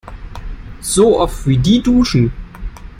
So oft, wie die duschen!